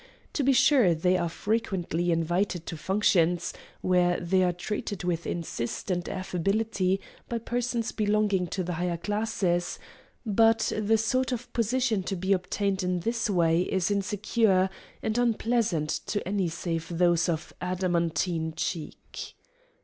To be sure, they are frequently invited to functions, where they are treated with insistent affability by persons belonging to the higher classes; but the sort of position to be obtained in this way is insecure, and unpleasant to any save those of adamantine cheek.